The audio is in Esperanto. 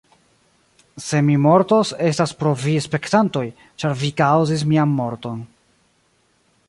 Se mi mortos, estas pro vi spektantoj, ĉar vi kaŭzis mian morton.